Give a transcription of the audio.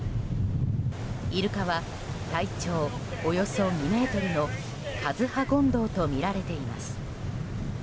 イルカは、体長およそ２ｍのカズハゴンドウとみられています。